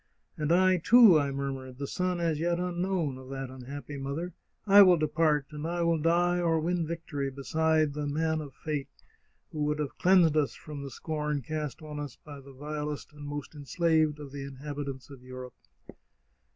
' And I too,' I mur mured, ' the son, as yet unknown, of that unhappy mother, I will depart, and I will die or win victory beside that Man of Fate, who would have cleansed us from the scorn cast on us by the vilest and most enslaved of the inhabitants of Europe